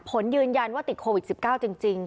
ผลยืนยันว่าติดโควิด๑๙จริง